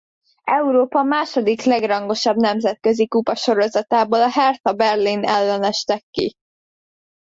Európa második legrangosabb nemzetközi kupasorozatából a Hertha Berlin ellen estek ki.